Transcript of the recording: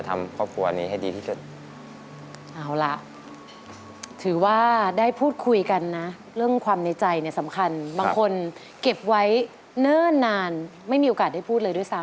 แต่อื้อ้อยังไม่มีในหัวเลย